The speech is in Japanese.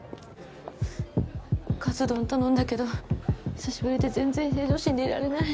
カツ丼頼んだけど久しぶりで全然平常心でいられない。